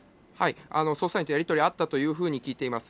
捜査員とやり取りあったというふうに聞いています。